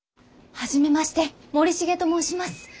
初めまして森重と申します。